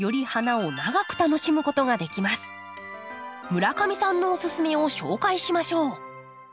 村上さんのオススメを紹介しましょう。